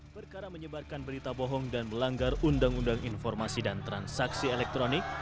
perkara menyebarkan berita bohong dan melanggar undang undang informasi dan transaksi elektronik